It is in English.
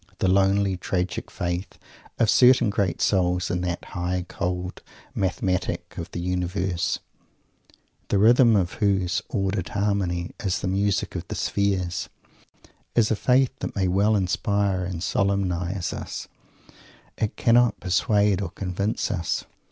The lonely, tragic faith of certain great souls in that high, cold "Mathematic" of the Universe, the rhythm of whose ordered Harmony is the Music of the Spheres, is a Faith that may well inspire and solemnize us; it cannot persuade or convince us.